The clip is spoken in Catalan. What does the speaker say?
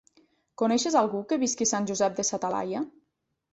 Coneixes algú que visqui a Sant Josep de sa Talaia?